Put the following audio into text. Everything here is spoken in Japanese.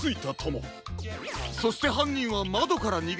そしてはんにんはまどからにげたと。